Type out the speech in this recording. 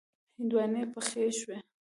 هندواڼی پخې شوې.